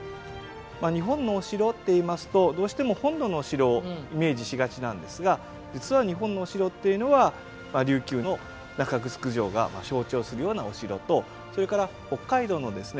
日本のお城っていいますとどうしても本土のお城をイメージしがちなんですが実は日本のお城っていうのは琉球の中城城が象徴するようなお城とそれから北海道のですね